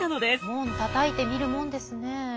門たたいてみるもんですね。